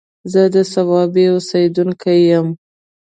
زه د صوابۍ اوسيدونکی يم